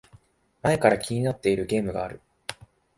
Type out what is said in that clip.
前から気になってるゲームがある